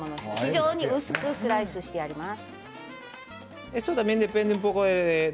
非常に薄くスライスしてあります。